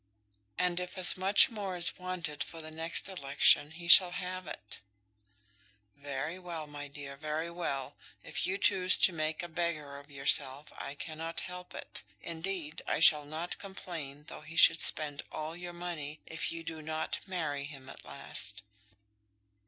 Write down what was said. "And if as much more is wanted for the next election he shall have it." "Very well, my dear; very well, If you choose to make a beggar of yourself, I cannot help it. Indeed, I shall not complain though he should spend all your money, if you do not marry him at last."